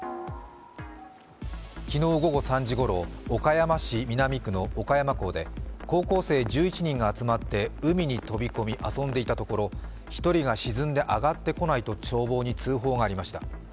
昨日午後３時ごろ、岡山市南区の岡山港で高校生１１人が集まって海に飛び込み、遊んでいたところ、１人が沈んで上がってこないと消防に通報がありました。